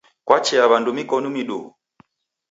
Kwachea w'andu mikonu miduhu?